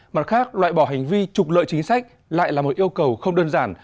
mặt khác loại bỏ hành vi trục lợi chính sách lại là một yêu cầu không đơn giản